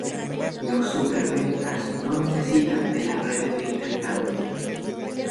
Los superventas no necesitan de las redes de intercambio